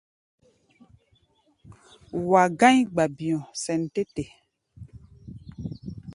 Wa gá̧í̧ gba-bi̧ɔ̧ sɛn tɛ́ te.